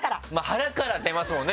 腹から出ますもんね